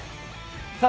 さあ